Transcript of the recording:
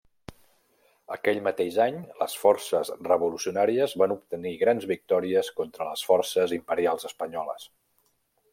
Aquell mateix any, les forces revolucionàries van obtenir grans victòries contra les forces imperials espanyoles.